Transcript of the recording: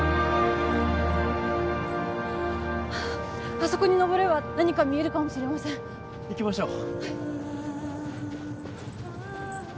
あそこに登れば何か見えるかもしれません行きましょう